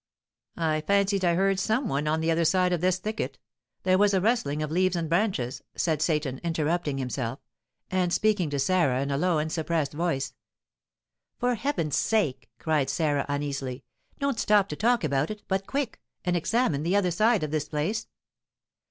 I fancied I heard some one on the other side of this thicket, there was a rustling of leaves and branches," said Seyton, interrupting himself, and speaking to Sarah in a low and suppressed voice. "For heaven's sake," cried Sarah, uneasily, "don't stop to talk about it, but quick! and examine the other side of this place!"